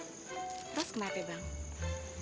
terus kenapa bang